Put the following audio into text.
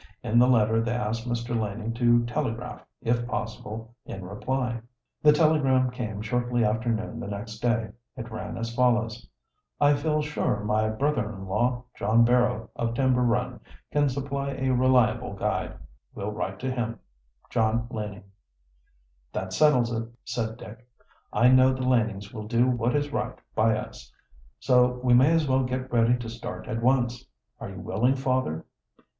In the letter they asked Mr. Laning to telegraph, if possible, in reply. The telegram came shortly after noon the next day. It ran as follows: "I feel sure my brother in law, John Barrow, of Timber Run, can supply a reliable guide. Will write to him. "JOHN LANING." "That settles it," said Dick. "I know the Lanings will do what is right by us, so we may as well get ready to start at once. Are you willing, father?"